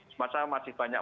semasa masih banyak